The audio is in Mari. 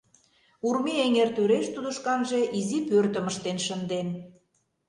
Урми эҥер тӱреш тудо шканже изи пӧртым ыштен шынден.